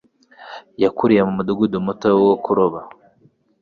yakuriye mu mudugudu muto wo kuroba.